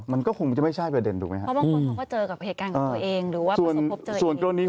มันก็คงจะไม่ใช่ประเด็นถูกมั้ยฮะ